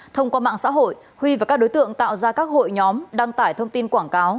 thông qua mạng xã hội huy và các đối tượng tạo ra các hội nhóm đăng tải thông tin quảng cáo